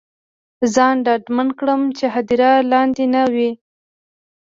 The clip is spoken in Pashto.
ځان ډاډمن کړم چې هدیره لاندې نه وي.